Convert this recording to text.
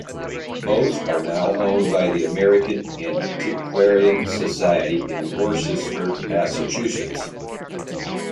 Both are now owned by the American Antiquarian Society in Worcester, Massachusetts.